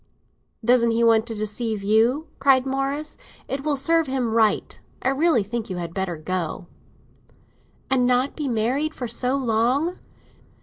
"Doesn't he want to deceive you?" cried Morris. "It will serve him right! I really think you had better go." "And not be married for so long?"